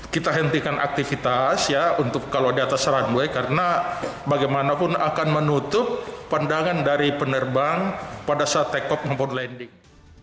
kita hentikan aktivitas ya untuk kalau di atas runway karena bagaimanapun akan menutup pandangan dari penerbang pada saat take off maupun landing